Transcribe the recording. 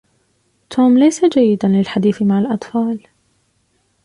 توم ليس جيد للحديث مع الاطفال